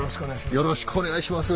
よろしくお願いします。